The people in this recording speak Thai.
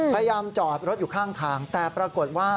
พยายามจอดรถอยู่ข้างทางแต่ปรากฏว่า